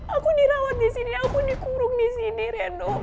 aku dirawat disini aku dikurung disini reno